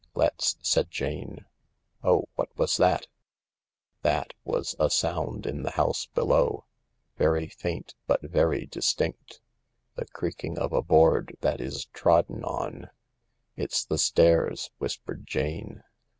" Lets," said Jane. " Oh, what was that ?" "That " was a sound in the house below, very faint but very distinct. The creaking of a board that is trodden on. "It's the stairs," whispered Jane.